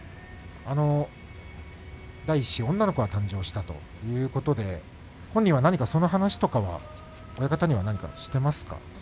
第一子の女の子が誕生したということで本人は何かその話は親方にはしていますか？